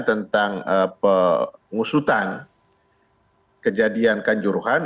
tentang pengusutan kejadian kanjuruhan